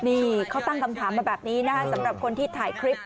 นี่เขาตั้งคำถามมาแบบนี้นะครับสำหรับคนที่ถ่ายคลิป